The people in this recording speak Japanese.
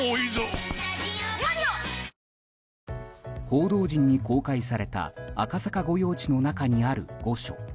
報道陣に公開された赤坂御用地の中にある御所。